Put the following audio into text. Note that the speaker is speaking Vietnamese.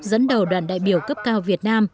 dẫn đầu đoàn đại biểu cấp cao việt nam